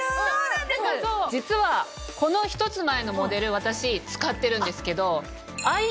実はこの１つ前のモデル私使ってるんですけど。